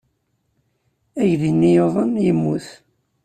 Aydi-nni yuḍen, yemmut.